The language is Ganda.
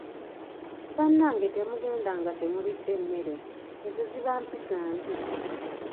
Bannange temugenda nga temulidde mmere, ezo ziba mpisa mbi.